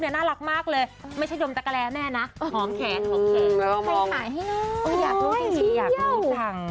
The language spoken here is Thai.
อยากรู้จังอยากรู้จัง